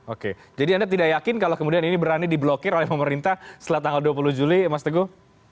oke jadi anda tidak yakin kalau kemudian ini berani diblokir oleh pemerintah setelah tanggal dua puluh juli mas teguh